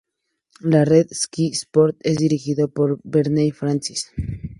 La red Sky Sports es dirigido por Barney Francis.